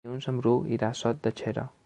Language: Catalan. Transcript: Dilluns en Bru irà a Sot de Xera.